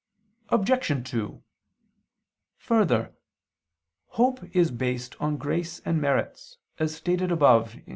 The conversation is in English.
Obj. 2: Further, hope is based on grace and merits, as stated above (Q.